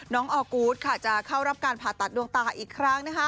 น้องออกูทค่ะจะเข้ารับการผ่าตัดตัวตาอีกครั้ง